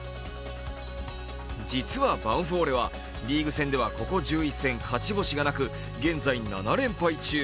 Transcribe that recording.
実はヴァンフォーレはリーグ戦ではここ１１戦勝ち星がなく、現在、７連敗中。